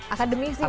akademisi ya dia